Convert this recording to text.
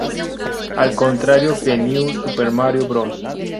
Al contrario que en New Super Mario Bros.